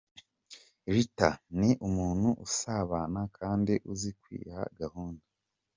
Ritha ni umuntu usabana kandi uzi kwiha gahunda.